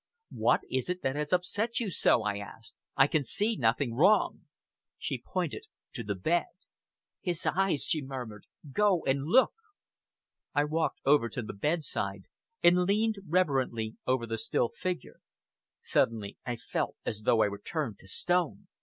"What is it that has upset you so?" I asked. "I can see nothing wrong." She pointed to the bed. "His eyes!" she murmured. "Go and look!" I walked over to the bedside, and leaned reverently over the still figure. Suddenly I felt as though I were turned to stone.